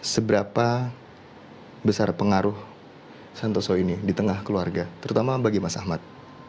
seberapa besar pengaruh santoso ini di tengah keluarga terutama bagi mas ahmad